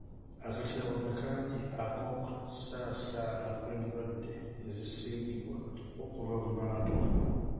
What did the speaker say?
Akatyabaga kangi ak'okusaasaana kw'endwadde ezisiigibwa okuva ku bantu.